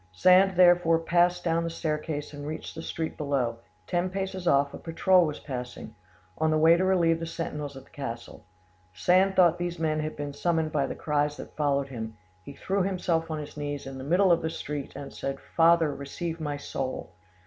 Sand therefore passed down the staircase and reached the street below; ten paces off, a patrol was passing, on the way to relieve the sentinels at the castle; Sand thought these men had been summoned by the cries that followed him; he threw himself on his knees in the middle of the street, and said, "Father, receive my soul!"